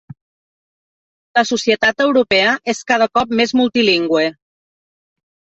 La societat europea és cada cop més multilingüe.